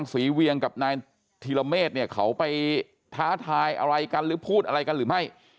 เวียงกับนายธีรเมฆเนี่ยเขาไปท้าทายอะไรกันหรือพูดอะไรกันหรือไม่